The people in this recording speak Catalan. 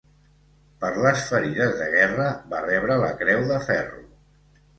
Per les ferides de guerra va rebre la Creu de Ferro.